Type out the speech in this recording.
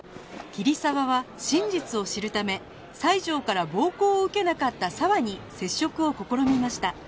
桐沢は真実を知るため西条から暴行を受けなかった澤に接触を試みました